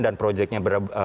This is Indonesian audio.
dan proyeknya berubah